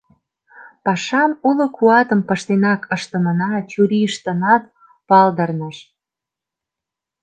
Пашам уло куатым пыштенак ыштымына чурийыштынат палдырныш.